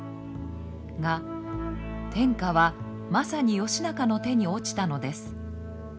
が天下はまさに義仲の手に落ちたのです。